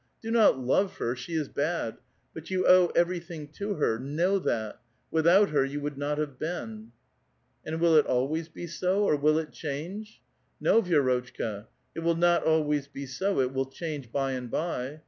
Do uot love her ; she is bud ; but you owe everything to her, kuow that ; without lier, you would uot have beeu !"'* And will it always be so, or will it change?" " No, Vi^rotehka, it will not always be su ; it will change by and by.